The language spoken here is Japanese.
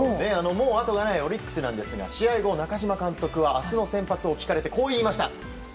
あとがないオリックスですが試合後、中嶋監督は明日の試合に向けてこう言いました。